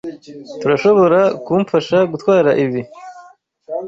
Turashoborakumfasha gutwara ibi?